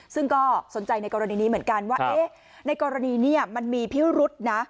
ซึ่งก็สนใจในกรณีนี้เหมือนกันว่าในกรณีนี้มันมีพิรุษนะ